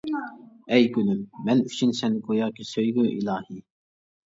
ئەي گۈلۈم، مەن ئۈچۈن سەن گوياكى سۆيگۈ ئىلاھى.